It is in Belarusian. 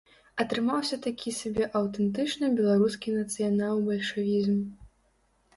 Атрымаўся такі сабе аўтэнтычны беларускі нацыянал-бальшавізм.